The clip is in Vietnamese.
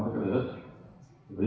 các lợi ích